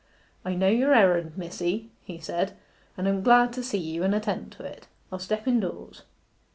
'I know your errand, missie,' he said, 'and am glad to see you, and attend to it. I'll step indoors.